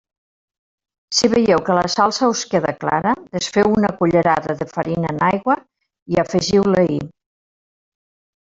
Si veieu que la salsa us queda clara, desfeu una cullerada de farina en aigua i afegiu-la-hi.